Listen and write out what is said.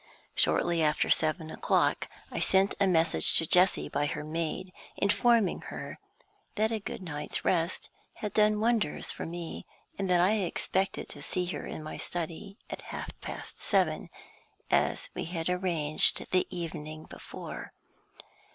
Shortly after seven o'clock I sent a message to Jessie by her maid, informing her that a good night's rest had done wonders for me, and that I expected to see her in my study at half past seven, as we had arranged the evening before.